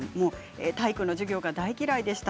体育の授業が大嫌いでした。